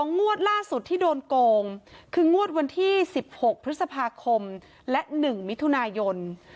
งวดล่าสุดที่โดนโกงคืองวดวันที่๑๖พฤษภาคมและ๑มิถุนายน